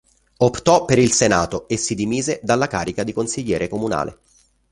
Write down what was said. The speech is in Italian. Optò per il Senato e si dimise dalla carica di consigliere comunale.